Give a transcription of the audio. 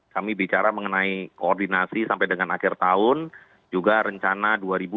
kami bicara mengenai koordinasi sampai dengan akhir tahun juga rencana dua ribu dua puluh